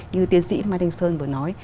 như tiến sĩ martin sơn vừa nói